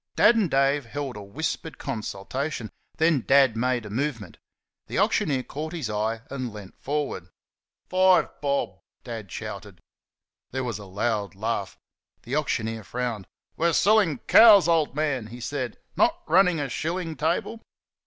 Dad and Dave held a whispered consultation; then Dad made a movement. The auctioneer caught his eye and leant forward. "FIVE BOB!" Dad shouted. There was a loud laugh. The auctioneer frowned. "We're selling COWS, old man," he said, "not running a shilling table."